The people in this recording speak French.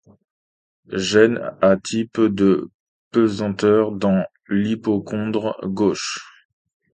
Gêne à type de pesanteur dans l'hypochondre gauche.